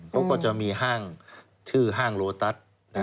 เขาก็จะมีห้างชื่อห้างโลตัส